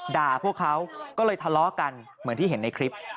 พวกเขาก็เลยทะเลาะกันเหมือนที่เห็นในคลิป